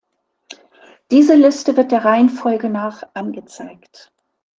Diese Liste wird der Reihenfolge nach angezeigt.